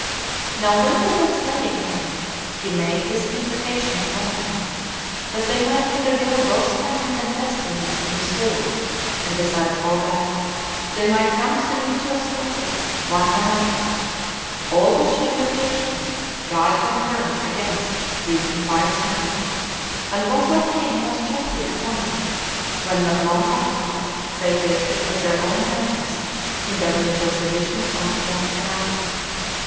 Now when they were slaying him, he made this imprecation upon them, that they might undergo both famine and pestilence in this war, and besides all that, they might come to the mutual slaughter of one another; all which imprecations God confirmed against these impious men, and was what came most justly upon them, when not long afterward they tasted of their own madness in their mutual seditions one against another.